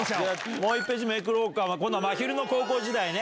もう１ページめくろうか、まひるの高校時代ね。